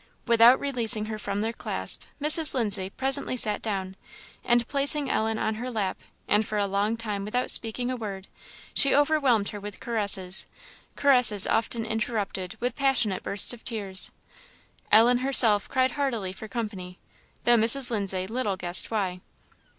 Without releasing her from their clasp, Mrs. Lindsay presently sat down, and placing Ellen on her lap, and for a long time without speaking a word, she overwhelmed her with caresses caresses often interrupted with passionate bursts of tears. Ellen herself cried heartily for company, though Mrs. Lindsay little guessed why.